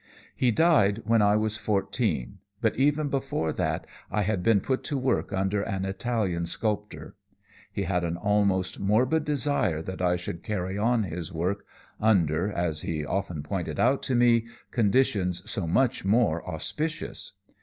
"He died when I was fourteen, but even before that I had been put to work under an Italian sculptor. He had an almost morbid desire that I should carry on his work, under, as he often pointed out to me, conditions so much more auspicious.